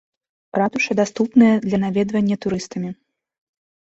Ратуша даступная для наведвання турыстамі.